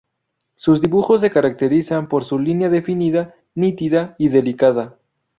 Sus dibujos se caracterizan por su línea definida, nítida y delicada.